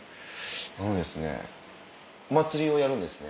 あのお祭りをやるんですね。